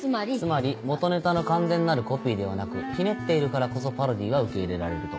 つまり元ネタの完全なるコピーではなくひねっているからこそパロディーは受け入れられると。